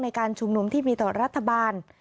ในการชุมนุมที่มีต่อรัฐบาล